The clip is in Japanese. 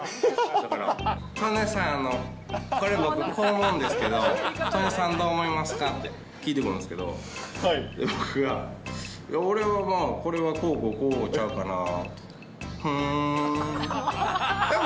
だから、戸根さん、これ、僕、こう思うんですけど、戸根さん、どう思いますか？って聞いてくるんですけど、僕が、いや、俺はまあ、これはこうこうこうちゃうかなって。